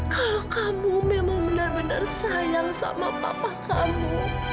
kalau kamu memang benar benar sayang sama papa kamu